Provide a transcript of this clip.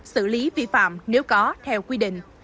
xử lý vi phạm nếu có theo quy định